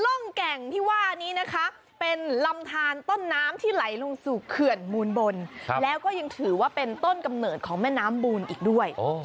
ร่องแก่งที่ว่านี้นะคะเป็นลำทานต้นน้ำที่ไหลลงสู่เขื่อนมูลบนแล้วก็ยังถือว่าเป็นต้นกำเนิดของแม่น้ำมูลอีกด้วย